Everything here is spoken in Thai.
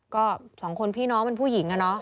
ก็สองคนพี่น้องเป็นผู้หญิงอะเนาะ